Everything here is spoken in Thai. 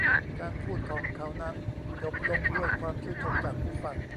การพูดของเขานั้นจบลงด้วยความชื่นชมจากผู้ฟัง